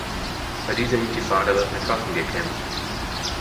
Bei dieser Intifada wird mit Waffen gekämpft.